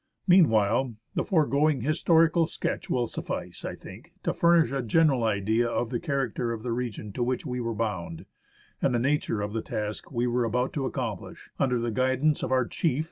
Meanwhile, the foregoing historical sketch will suffice, I think, to furnish a general idea of the character of the region to which we were bound, and the nature of the task we were about to accomplish, under the guidance of our chief, H.